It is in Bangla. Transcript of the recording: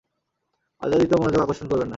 অযাচিত মনোযোগ আকর্ষণ করবেন না।